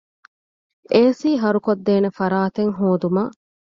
އޭ.ސީ ހަރުކޮށްދޭނެ ފަރާތެއް ހޯދުމަށް